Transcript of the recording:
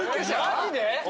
マジで？